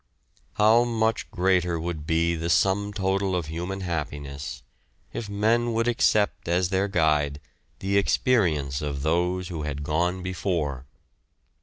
How much greater would be the sum total of human happiness if men would accept as their guide the experience of those who had gone before!